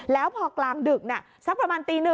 แล้วพอกลางดึกสักประมาณตี๑